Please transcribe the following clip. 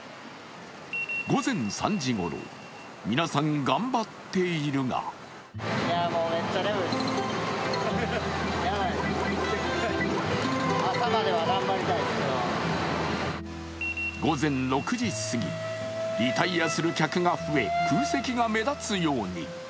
午前３時ごろ、皆さん、頑張っているが午前６時すぎ、リタイヤする客が増え、空席が目立つように。